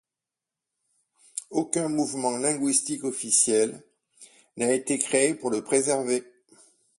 Aucun mouvement linguistique officiel n'a été créé pour le préserver.